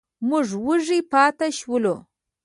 موږ وږي پاتې شولو.